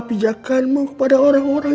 bijakanmu kepada orang orang